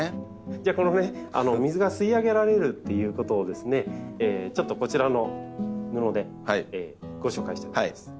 じゃあこの水が吸い上げられるっていうことをですねちょっとこちらの布でご紹介したいと思います。